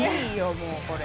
もうこれ。